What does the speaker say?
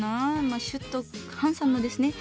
まあシュッとハンサムですね。